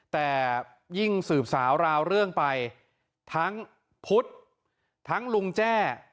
แต่ยิ่งสืบสาวราวเรื่องไปทั้งพุทธทั้งลุงแจ้